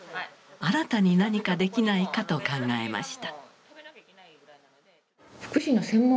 新たに何かできないかと考えました。